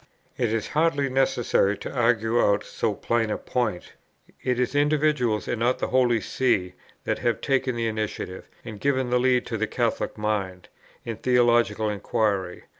It is hardly necessary to argue out so plain a point. It is individuals, and not the Holy See, that have taken the initiative, and given the lead to the Catholic mind, in theological inquiry.